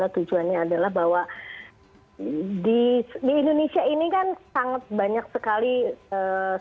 tujuannya adalah bahwa di indonesia ini kan sangat banyak sekali sukunya yang berpengalaman